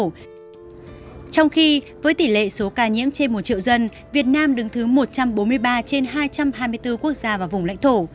trong khi với tỷ lệ số ca nhiễm trên một triệu dân việt nam đứng thứ một trăm bốn mươi ba trên hai trăm hai mươi bốn quốc gia và vùng lãnh thổ